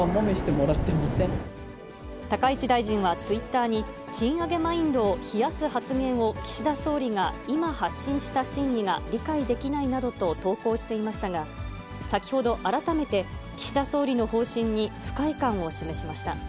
高市大臣はツイッターに、賃上げマインドを冷やす発言を、岸田総理が今、発信した真意が理解できないなどと投稿していましたが、先ほど、改めて岸田総理の方針に不快感を示しました。